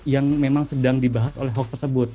yang memang sedang dibahas oleh hoax tersebut